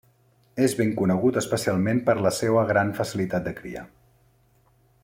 És ben conegut especialment per la seua gran facilitat de cria.